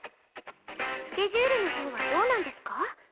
スケジュールの方はどうなんですか？